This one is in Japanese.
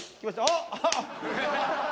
あっ。